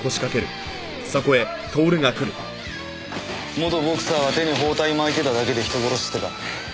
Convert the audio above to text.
元ボクサーは手に包帯巻いてただけで人殺しってか。